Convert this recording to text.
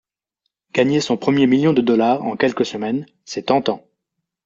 Gagner son premier million de dollars en quelques semaines, c'est tentant.